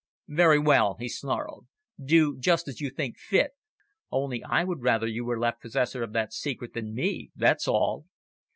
"Very well," he snarled. "Do just as you think fit, only I would rather you were left possessor of that secret than me that's all."